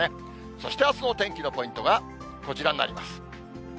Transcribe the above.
そしてあすのお天気のポイントがこちらになります。